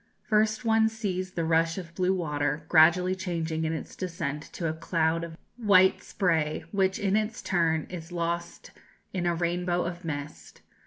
"First one sees the rush of blue water, gradually changing in its descent to a cloud of white spray, which in its turn is lost in a rainbow of mist.